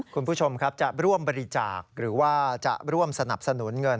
คุณผู้ชมครับจะร่วมบริจาคหรือว่าจะร่วมสนับสนุนเงิน